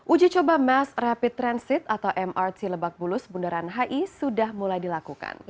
uji coba mass rapid transit atau mrt lebak bulus bundaran hi sudah mulai dilakukan